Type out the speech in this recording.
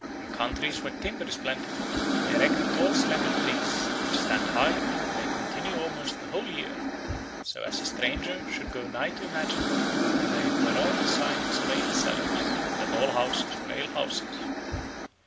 In countries where timber is plentiful, they erect tall slender trees, which stand high, and they continue almost the whole year; so as a stranger would go nigh to imagine that they were all signs of ale sellers, and that all houses were ale houses."